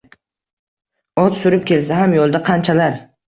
Ot surib kelsa ham yo’lda qanchalar.